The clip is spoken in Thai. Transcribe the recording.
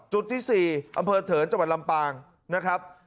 จุดที่๔อำเภอเถินจังหวัดลำปางนะครับ